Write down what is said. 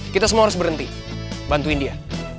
kita semua harus berhenti bantuin dia